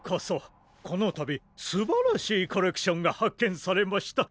このたびすばらしいコレクションがはっけんされました。